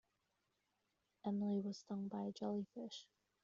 Emily was stung by a jellyfish.